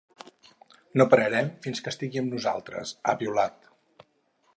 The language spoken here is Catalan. No pararem fins que estigui amb nosaltres, han piulat.